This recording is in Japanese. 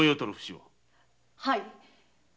はい。